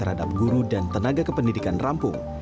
terhadap guru dan tenaga kependidikan rampung